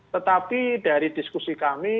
tetapi dari diskusi kami